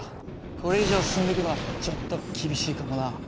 これ以上進んでいくのはちょっと厳しいかもな。